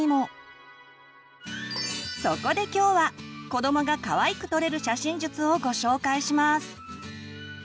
そこで今日は子どもがかわいく撮れる写真術をご紹介します！